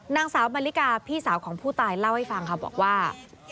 นางสาวมาริกาพี่สาวของผู้ตายเล่าให้ฟังค่ะบอกว่า